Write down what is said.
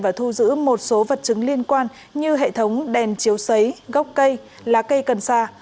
và thu giữ một số vật chứng liên quan như hệ thống đèn chiếu xấy gốc cây lá cây cần sa